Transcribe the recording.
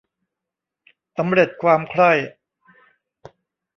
สำเร็จความใคร่